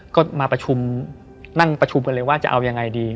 ก็มาประชุมนั่งประชุมกันเลยว่าจะเอายังไงดี